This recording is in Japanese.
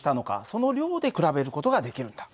その量で比べる事ができるんだ。